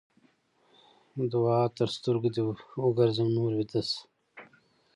دوعا؛ تر سترګو دې وګرځم؛ نور ويده شه.